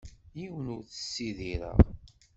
Yiwen ur t-ssidireɣ.